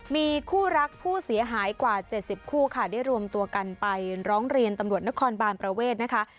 มีคู่รักผู้เสียหายกว่า๗๐คู่ค่ะได้รวมตัวกันไปร้องเรียนตำรวจนครบานประเวทนะคะ